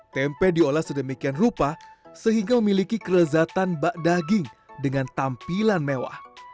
tempe diolah sedemikian rupa sehingga memiliki kelezatan bak daging dengan tampilan mewah